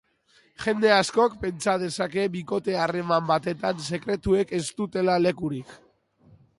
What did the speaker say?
Jende askok pentsa dezake bikote harreman batetan sekretuek ez dutela lekurik.